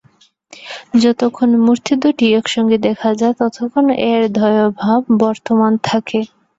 যতক্ষণ মূর্তিদুটি একসঙ্গে দেখা যায় ততক্ষণ এর দ্বয়ভাব বর্তমান থাকে।